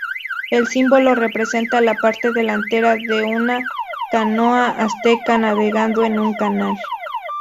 El símbolo representa la parte delantera de una canoa azteca navegando en un canal.